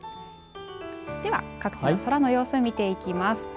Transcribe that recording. では、各地の空の様子見ていきます。